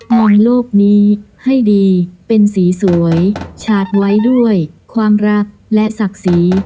มองโลกนี้ให้ดีเป็นสีสวยฉาดไว้ด้วยความรักและศักดิ์ศรี